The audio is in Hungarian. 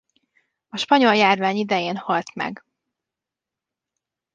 A spanyol-járvány idején halt meg.